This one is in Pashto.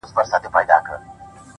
دې وخت ارتاؤ کړمه د زړۀ لۀ زوره